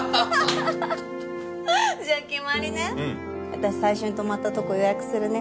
私最初に泊まったとこ予約するね。